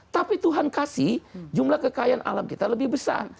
tapi tuhan kasih jumlah kekayaan alam kita lebih besar